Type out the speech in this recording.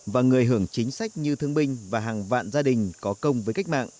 và người hưởng chính sách như thương binh và hàng vạn gia đình có công với cách mạng